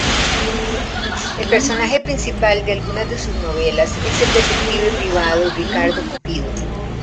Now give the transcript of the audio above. El personaje principal de algunas de sus novelas es el detective privado "Ricardo Cupido".